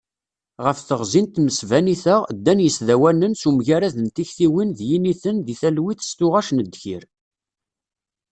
Ɣef teɣzi n tmesbanit-a, ddan yisdawanen s umgarad n tektiwin d yiniten deg talwit s tuɣac n ddkir.